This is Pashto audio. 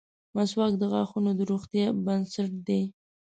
• مسواک د غاښونو د روغتیا بنسټ دی.